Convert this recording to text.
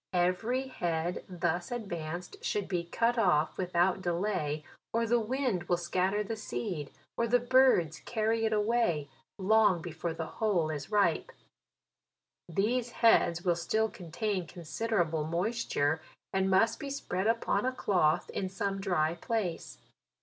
Every head thus ad vanced should be cut off without delay, or the wind will scatter the seed, or the birds carry it away, long before the whole is ripe. These heads will still contain considerable moisture, and must be spread upon a cloth, in some dry place.